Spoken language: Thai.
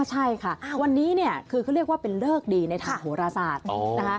ใช่ค่ะวันนี้เขาเรียกว่าเป็นเลิกดีในฐานโภราศาสตร์